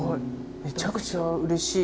めちゃくちゃうれしい。